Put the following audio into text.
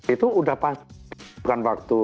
itu sudah pas memperlukan waktu